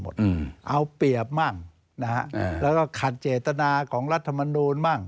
หมดเอาเปรียบมาค่ะด้วยก็ขัดเจตนาของรัฐมนุญ